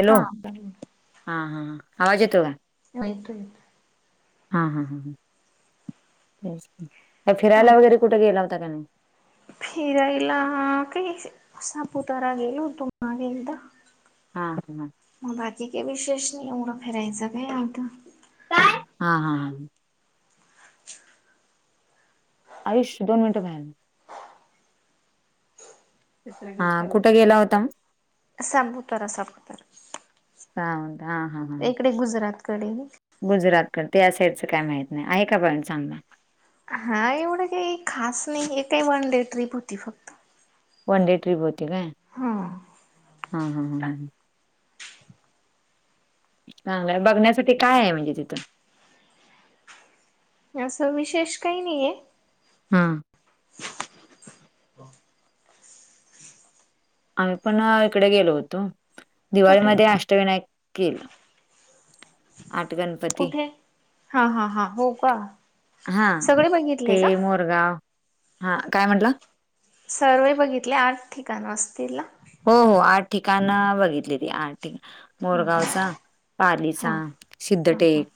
Hello हा येतो हा, हा आवाज येतो का? हा येतोय. हा हा हा तेच की, मं हा फिरायला वगैरे कुठे गेला होता का नाही. फिरायला काही सापुतारा गेलो होतो मागे एकदा. हा हा! म बाकी काही विशेष नाही एवढं फिरायच काय आता. काय हा हा. आयुष दोन मिनटं बाहेर. हा कुठ गेला होता म. सापुतारा सापुतारा. हा हा हा. इकडे गुजरातकडे. गुजरातकड त्या साईडचं काय माहित नाही आहे का पॉईंट चांगला. हा एवढं काही खास नाही हे काय वन डे ट्रीप होती फक्त. वन डे ट्रिप होती काय हा हा, हा, हा. चांगलय बघण्यासाठी काय आहे म्हणजे तिथं. असं विशेष काही नहीे आहे. हां! आपण इकडे गेलो होतो, कुठे दिवाळीमध्ये अष्टविनायक केेलं. आठ गणपती कुठे हा हा हा हो का हा सगळे बघितले ते का गाव हा काय म्हटला. सर्वे बघितले आठ ठिकाण, असतील ना. हो हो आठ ठिकाण बघितली ती आठ ठिकाण. हा मोरगावचा, पालीचा, हा हा हा सिद्धटेक.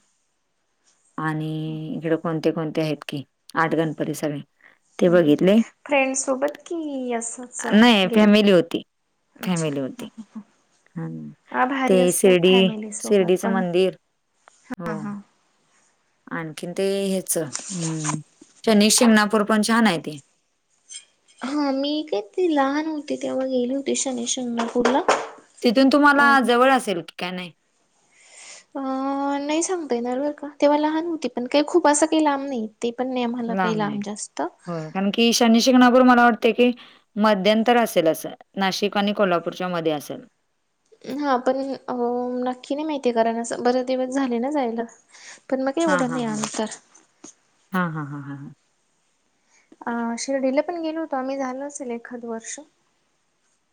आणि इकडे कोणते कोणते आहेत की, आठ गणपती सगळे. ते बघितले. फ्रेंड सोबत कि असच नाही गेल. फॅमिली होती, अच्छा फॅमिली हं होती. हं. ते शिर्डी, सोबत शिर्डीचं पण मंदिर हो. हा हा. आणखीन ते हेच हूं शनी शिंगणापूर पण छान आहे ते. हा मी कीती तेव्हा लहान होते तेव्हा गेली होती शनी शिंगणापूर ला. तिथून तुम्हाला जवळ असेल की काय नाही. अं नही सांगता येणार बर का तेव्हा लहान होती, पण काही खूप असं काही लांब नही. ते पण नाही आम्हाला काही लांब जास्त. होय. कारण की शनी शिंगणापूर मला वाटते की मध्यन्तर असेल असं नाशिक आणि कोल्हापूरच्या मध्ये असेल. हा पण अ नक्की नाही माहिती, कारण असं बरेच दिवस झाले ना जायला. पण मग काय हा एवढं हा, नाही हा अंतर हा हा हा हा हा. आ शिर्डीला पण गेलो होतो आम्ही झाल असेल एखाद वर्ष.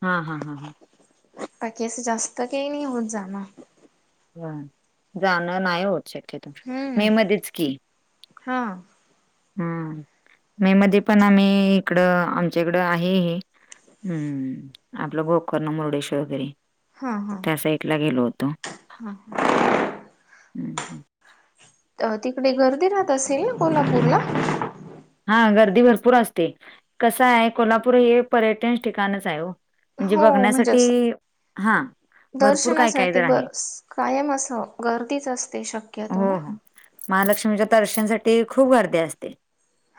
हां हां हां. बाकी असं जास्त काही नाही होत जाणा. नाय जाणं नाही होत श हम्म. मे मध्येच की. हा हम्म मे मध्ये पण आम्ही इकडं आमच्या इकडं आहे हे. हम्म आपलं गोकर्ण, मुरडेश्वर वगैरे त्या साईडला गेलो होतो. ह.. हम्म, हम्म. अ तिकडे गर्दी राहत असेल कोल्हापूर ला? हा गर्दी भरपूर असते कस आहे कोल्हापूर हे पर्यटन ठिकाणच आहे हो. म्हणजे हो म्हणजे असं बघण्यासाठी हा. दर्शनासाठी बस कायम अशी गर्दीच असते? हो, हो. महालक्ष्मीच्या दर्शनसाठी खूप गर्दी असते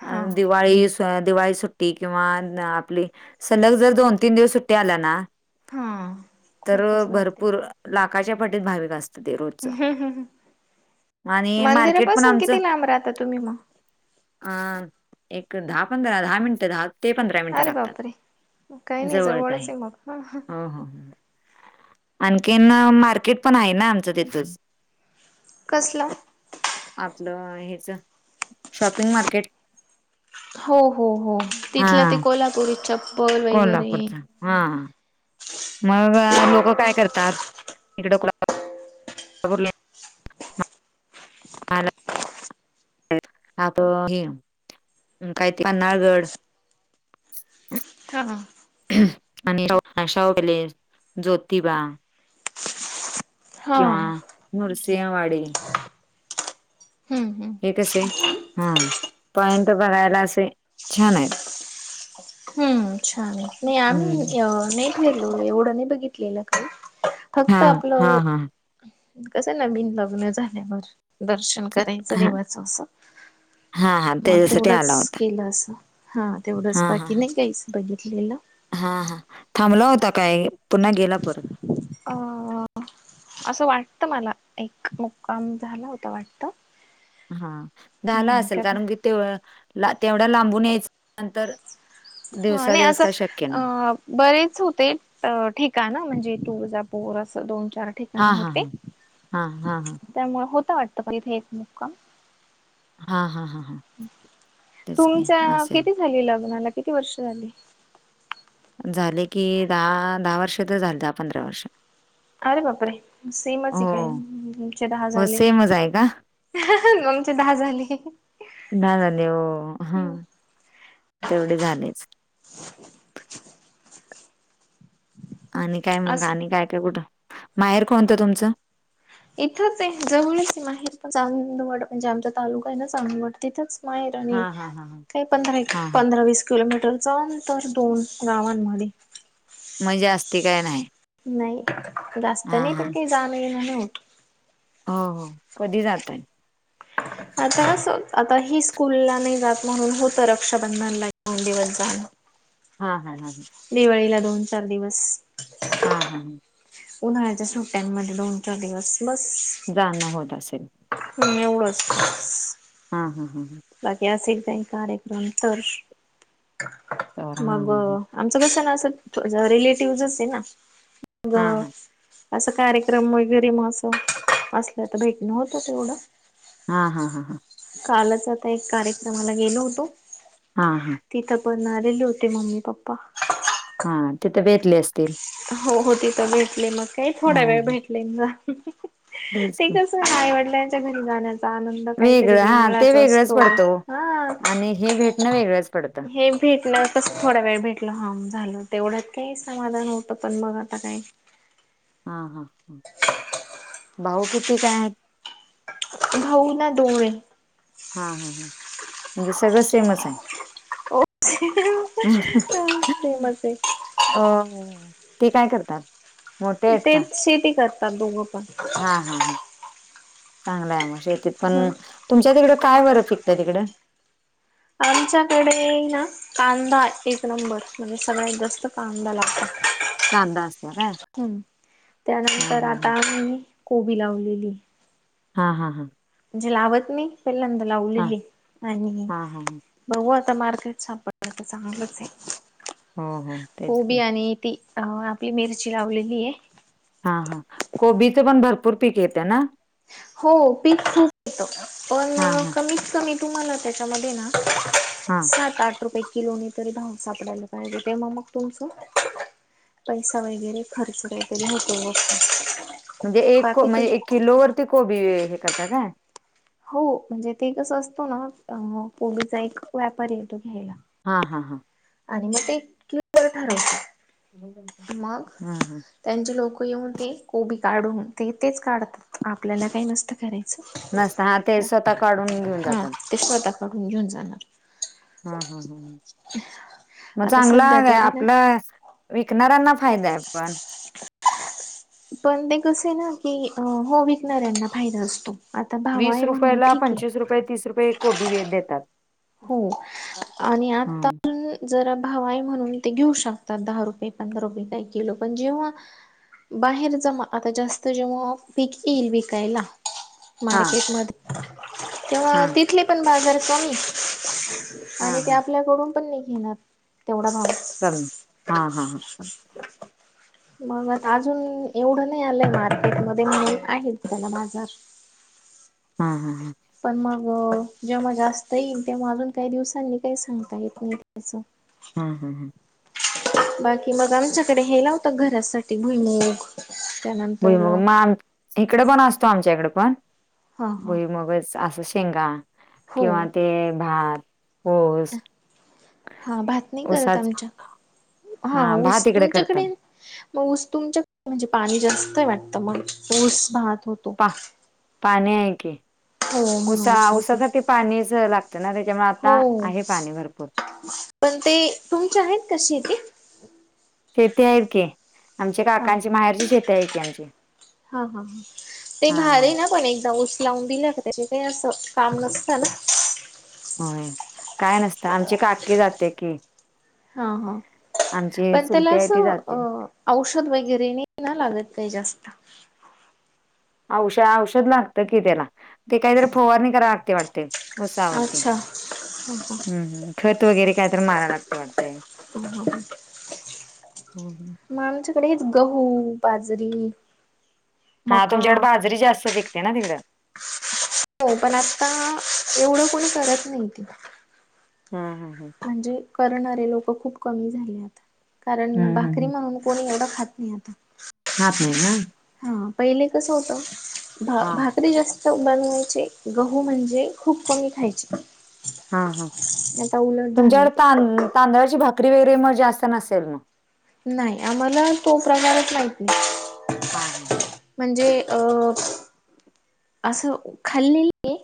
हा अण दिवाळीस दिवाळी सुट्टी किंवा आपली सलग जर दोन, तीन दिवस सुट्टी आल्या ना हा तर खूपच गर्दी भरपूर लाखाच्या पटीत भाविक असत ते रोजच आणि मार्केट पण मंदिरापासून आमचं किती राहता तुम्ही मग? एक दहा, पंधरा, दहा मिनटं, दहा मिनिटं, दहा दहा ते पंधरा मिनटं अरे लागतात बापरे काही नाही जवळच आहे मग ह हो हो हो. आणखीन मार्केट पण आहे ना आमचं तिथेच. कसल? आपलं हेच शॉपिंग मार्केट हो हो हो तिथलं ते हां, कोल्हापुरी चप्पल वगैरे हा. मग लोक काय करतात इकड [inaudible] मला आत घे [inaudible] काय ते पन्हारगड हा. आणि शाऊ पॅलेस, ज्योतिबा हा किंवा नरसिंहवाडी हम्म हम्म हे कसे हा पॉइंट बघायला असे छान आहेत. हम्म छान. नाही आम्ही हम्म. नाही फिरलो एवढं नाही बघितलेलं काही. फक्त हा हा आपलं हा कसं ना नविनलग्न झाल्यावर दर्शन करायचं हा देवाच असं हा हा मग त्याच्यासाठी आला तेवढंच होता केलं असं. हा तेवढंच हा हा बाकी हा नाही काहीच बघितलेलं. थांबला होता काय पुन्हा गेला परत. अ. असं वाटत मला एक मुक्काम झाला होता वाटत. हा झाला हम्म असेल का कारण की ते तेवढा लांबून यायच नंतर हा दिवसा नाही दिवस असं काय शक्य नाही अ बरेच होते ठिकान म्हणजे तूळजापुर असं दोन, चार ठिकाण हा हा होते हा हा हा त्यामुळे होत वाटत इथे एक मुक्काम. हा हा हा हा. तेच की तुमच्या असेल किती झनी लग्नाला किती वर्ष झाले? झाले की दहा, दहा वर्ष तर झाले दहा, पंधरा वर्ष. अरे बाप रे सेमच आहे काय हो. नाही आमचे दहा हो झाले. सेमच आहे का? आमचे दहा झाले. [unintelligible] ह हम्म तेवढे झालेच. आणि काय मग? अस आणि काय काय कुठं? माहेर कोणतं तुमचं? इथंच आहे जवळचय माहेर. चावंदवाड म्हणजे आमचा तालुका आहे ना चावंदवाड तिथंच. माहेर आणि हां, हां, हां, हां. काही पंधरा एक हां, हां. पंधरा वीस किलोमीटरच अंतर दोन गावांमध्ये. म्हणजे असते काय नाही. नाही. जास्त हां, नाही. पण हां. काही जा नाही येण नाही होत? हो हो कधी जाताय? आताच आता ही स्कूलला नाही जात म्हणून होतं रक्षाबंधनला एक -दोन दिवस जाण. [inaudible] हा - हा - हा -हा. दिवाळीला दोन -चार दिवस. हा - हा - ह. उन्हाळ्याच्या सुट्ट्यांमध्ये दोन चार दिवस बस. जाणं होत असेल? हम्म एवढंच. हा - हा -हा - हां. बाकी असेल काही कार्यक्रम तर तर हां, मग हां, हां. आमचं कस न अस ज रिलेटिवज असे ना? हां, गं? हां. असं कार्यक्रम वगैरे म असं -असल तर भेटणं होतं तेवढं. हा -हा -हां -हां. कालच आता एक कार्यक्रमाला गेलो होतो. हा -हा. तिथं पण आलेले होते मम्मी - पप्पा. हा तिथं भेटले असतील? हो हो तिथं भेटले मग काही थोडा हं, वेळ हं. भेटले मग. तेच ते ना. कस? आईवडलांच्या घरी जाण्याचा आनंद मग काहीतरी वेगळं हां, ते वेगळाच वेगळंच असतो. पडतं ओ. हा आणि हे भेटणं वेगळंच पडतं. हे? तेच ना तस थोडा वेळ भेटलं हा झालं. तेवढ्यात काही समाधान होतं पण मग आता काय? हा -हा -ह भाऊ किती काय आहेत? भाऊ ना दोने हा -हा -हा म्हणजे सगळं सेमच आहे. ओ - तेे सेमच आहे. अ म ते काय करतात? मोठे आहेत ते शेती करतात. दोघं पण. हा -हा - हा चांगलाय मग शेतीत ह पण. तुमच्या तिकड काय बर पिकतंय तिकडं? आमच्याकडे ना? कांदा एक नंबर म्हणजे सगळ्यात जास्त कांदा लागतो. कांदा असतो काय? हम् हां, त्यानंतर हां, हां. आता मी कोबी लावलेली. हा हां हां. जे लावत नाही पहिल्यांदा हां, लावलेलीय आणि हां, हां, हां. बघू आता मार्केट सापडलं त चांगलंचय हो, हो. तेच कोबी की. आणि ती अ आपली मिरची लावलेली आहे. हा हा कोबीचं पण भरपूर पीक येतं ना? हो पीक [unintelligible] येत हां, पण हां, कमीत कमी तुम्हाला त्याच्यामध्ये ना हां. सात, आठ रुपये किलोनी तरी भाव सापडायला पाहिजे ते मग, मग तुमचं पैसा वगैरे खर्च वगैरे होतो म म्हणजे एक म्हणजे एक किलोवरती कोबी हे करता काय? हो म्हणजे ते कसं असतो ना कोबीचा एक व्यापारी येतो घ्यायला. हा हा हां. आणि मग ते क्यलुअर ठरवत ह [unintelligible] मग त्यांचे लोक येऊन ते कोबी काढून ते तेच काढतात आपल्याला काही नसतं कराच. नसत हा ते स्वतः काढून घेऊन हा जातात. ते स्वतः कडून घेऊन जाणार. हा हा ह मग आता चांगला सध्या अग तरी ना आपलं विकणाऱ्यांना फायदा आहे पण. पण ते कस आहे ना की हो विकणाऱ्यांना फायदा असतो. आता भाव वीस आहे म्हणून रुपयाला, ठीक आहे. पंचवीस रुपये, तीस रुपये एक कोबी देतात. हो आणि आता हम्म जरा भाव आहे म्हणून ते घेऊ शकतात दहा रुपये, पंधरा रुपये काही किलो पण जेव्हा बाहेर जमा आता जास्त जेव्हा पिक येईल विकायला हा मार्केट मध्ये हा तेव्हा तिथले पण बाजार कमी हा आणि ते हा आपल्याकडून पण नाही घेणार तेवढा भाव. चालल हा हा ह. मग अजून एवढं नाही आलंय मार्केट मध्ये म्हणून आहे त्याला बाजार. हा हा. पण मग जेव्हा जास्त येईल तेव्हा अजून काही दिवसांनी काही सांगता येत नाही त्याच. हा हां हां. बाकी मग आमच्याकडे हे लावतात घरासाठी भुईमूग. त्यानंतर भुईमूग मग आम इकडे पण असतो आमच्या इकडे पण. हा हा भुईमूग मग असच शेंगा हो किंवा ते भात हो.. हा भात नाही करत आमच्यात हा ऊस, भात इकडे करतात तुमच्याकडे? मग ऊस तुमच्या म्हणजे पाणी जास्त वाटतं मग ऊस, भात होत पा पाणी आहे की. हो ऊसा म्हणूनच मग ते ऊसासाठी पाणीच लागतं ना त्याच्यामुळे आता हो आहे पाणी भरपूर. पण ते तुमच्या आहेत का शेतीत? शेती आहेत की आमच्या हा काकांची हा माहेरची शेती आहे की आमची. हा हा ह ते हा भार आहे ना पण एकदा ऊस लावून दिला त्याच ते असं काम नसत ना. होय काय नसतं आमची काकी जाते की हा हा आमची पण त्याला सुलती आहे ते असं जाते. अ औषध वगैरे नाही ना लागत जास्त. औष औषध लागत की त्याला ते काहीतरी फोवारणी करा लागते वाटते ऊसावर ती अच्छा ह ह हम्म, हम्म खत वगैरे काय तर मारा लागते वाटतय. ह [inaudible] हम हम [unintelligible] मग आमच्याकडेच गहू, बाजरी हा मका तुमच्याकड, बाजरी जास्त पीकते ना तिकडं. हो पण आता एवढं कोणी करत नाही तिला. हू हू हू. म्हणजे करणारे लोकं खूप कमी झाले आता. कारण हम्म हम्म भाकरी हम्म. म्हणून कोणी एवढं खात नाही आता. खात नाही ना? हा पहिले कस होत भा हा भाकरी जास्त बनवायचे. गहू म्हणजे खूप कमी खायचे. हा हा. आता उलट झाले तुमच्याकडे ते. तां तांदळाची भाकरी वगैरे म जास्त नसेल मग नाही आम्हाला तो प्रकारच माहिती हा हा हा. म्हणजे अ आसं खाल्लेली ए.